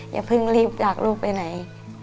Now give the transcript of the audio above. อย่าเพิ่งรีบจากลูกไปไหน